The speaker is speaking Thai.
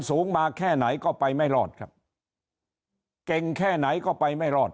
สูงมาแค่ไหนก็ไปไม่รอดครับเก่งแค่ไหนก็ไปไม่รอด